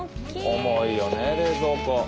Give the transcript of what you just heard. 重いよね冷蔵庫。